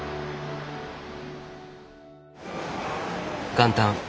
元旦。